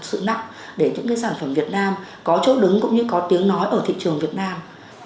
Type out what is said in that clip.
sự nặng để những cái sản phẩm việt nam có chỗ đứng cũng như có tiếng nói ở thị trường việt nam